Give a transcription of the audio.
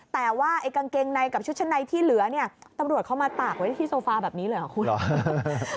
แต่ว่าไอ้กางเกงในกับชุดชั้นในที่เหลือเนี่ยตำรวจเขามาตากไว้ที่โซฟาแบบนี้เลยเหรอคุณ